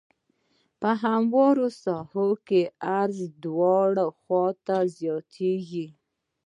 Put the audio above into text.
په همواره ساحه کې عرض دواړو خواوو ته زیاتیږي